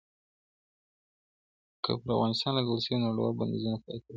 کله به پر افغانستان لګول سوي نړیوال بندیزونه پای ته ورسیږي؟